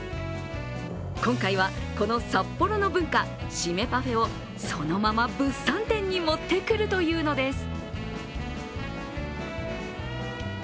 今回は、この札幌の文化、シメパフェをそのまま物産展に持ってくるというのです。